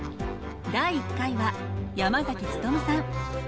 第１回は山努さん。